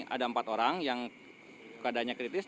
ada empat orang yang keadaannya kritis